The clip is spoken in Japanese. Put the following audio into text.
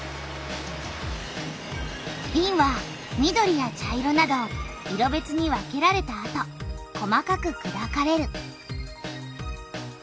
びんは緑や茶色など色べつに分けられたあと細かくくだかれる。